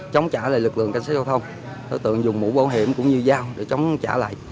chống trả lại lực lượng cảnh sát giao thông đối tượng dùng mũ bảo hiểm cũng như dao để chống trả lại